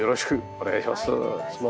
お願いします。